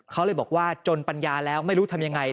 เขาเลยบอกว่าจนปัญญาแล้วไม่รู้ทำยังไง